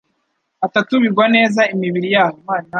atatu bigwa neza imibiri yabo,